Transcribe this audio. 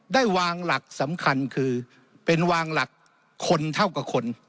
ได้วางหลักสำคัญคือเป็นวางหลักคนเท่ากับคน